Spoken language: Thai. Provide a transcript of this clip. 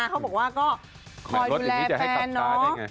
เขาบอกว่าก็คอยดูแลแฟนเนาะ